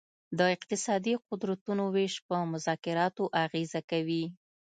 د اقتصادي قدرتونو ویش په مذاکراتو اغیزه کوي